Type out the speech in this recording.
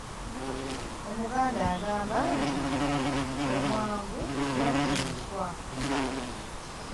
Omuganda agamba nti, “Omwangu yatta enswa.”